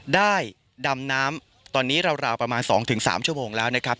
ดำน้ำตอนนี้ราวประมาณ๒๓ชั่วโมงแล้วนะครับ